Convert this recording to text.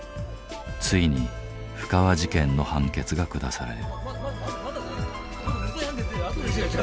ついに布川事件の判決が下される。